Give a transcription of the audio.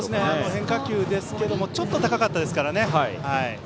変化球ですがちょっと高かったですからね。